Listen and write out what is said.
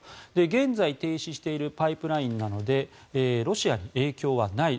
現在、停止しているパイプラインなのでロシアに影響はない。